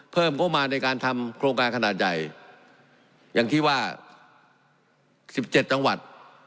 งบมาในการทำโครงการขนาดใหญ่อย่างที่ว่า๑๗จังหวัด